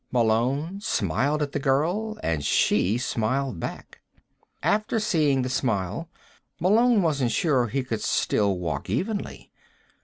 Malone smiled at the girl and she smiled back. After seeing the smile, Malone wasn't sure he could still walk evenly.